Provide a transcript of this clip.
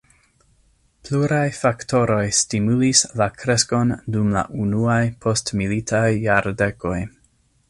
Pluraj faktoroj stimulis la kreskon dum la unuaj postmilitaj jardekoj.